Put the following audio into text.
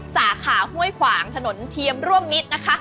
สาขาห้วยขวางถนนเทียมร่วมมิตรนะคะ